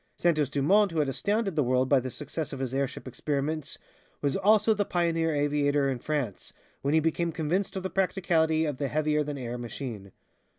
Santos Dumont, who had astounded the world by the success of his airship experiments, was also the pioneer aviator in France, when he became convinced of the practicality of the heavier than air machine.